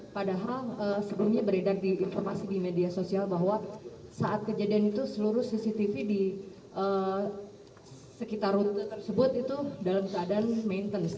padahal sebelumnya beredar di informasi di media sosial bahwa saat kejadian itu seluruh cctv di sekitar rute tersebut itu dalam keadaan maintenance